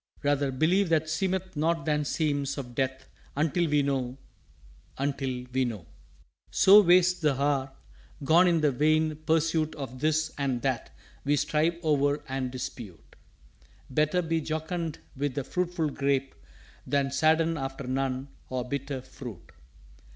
Rather believe what seemeth not than seems Of Death until we know until we know." "_So wastes the Hour gone in the vain pursuit Of This and That we strive o'er and dispute. Better be jocund with the fruitful Grape Than sadden after none, or bitter, Fruit.